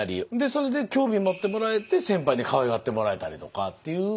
それで興味持ってもらえて先輩にかわいがってもらえたりとかっていう。